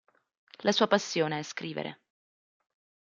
La sua passione è scrivere.